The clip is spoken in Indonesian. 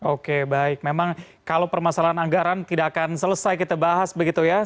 oke baik memang kalau permasalahan anggaran tidak akan selesai kita bahas begitu ya